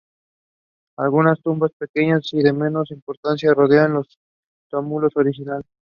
Algunas tumbas más pequeñas y de menos importancia rodean los túmulos originales.